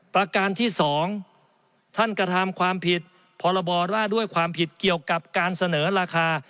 ประการที่๒ท่านกระทำความผิดพรบร่าด้วยความผิดเกี่ยวกับการเสนอราคา